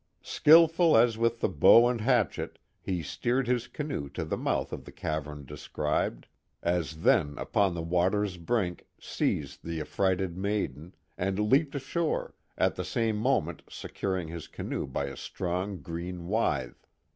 Skilful as with the bow and hatchet, he steered his canoe to the mouth of ihe cavern described, as then upon the water's brink, seized the affrighted maiden, and leaped ashore, at the same moment securing his canoe by a strong green withe.